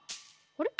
あれ？